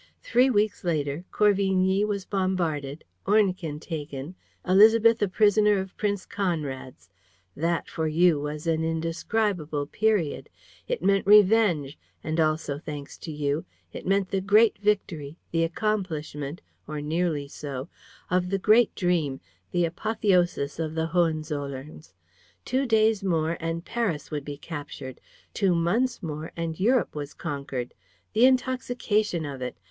Three weeks later, Corvigny was bombarded, Ornequin taken, Élisabeth a prisoner of Prince Conrad's. ... That, for you, was an indescribable period. It meant revenge; and also, thanks to you, it meant the great victory, the accomplishment or nearly so of the great dream, the apotheosis of the Hohenzollerns! Two days more and Paris would be captured; two months more and Europe was conquered. The intoxication of it!